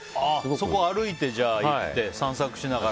そこを歩いて行って散策しながら。